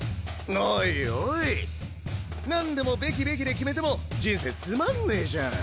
おいおいなんでも「べきべき」で決めても人生つまんねぇじゃん。